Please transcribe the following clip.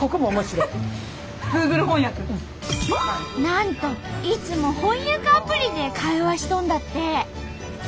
なんといつも翻訳アプリで会話しとんだって！